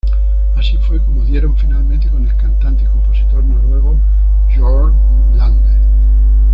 Así fue como dieron finalmente con el cantante y compositor noruego Jorn Lande.